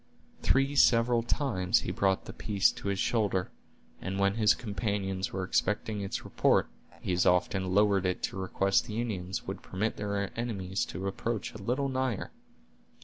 Three several times he brought the piece to his shoulder, and when his companions were expecting its report, he as often lowered it to request the Indians would permit their enemies to approach a little nigher.